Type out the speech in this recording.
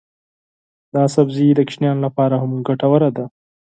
دا سبزی د ماشومانو لپاره هم ګټور دی.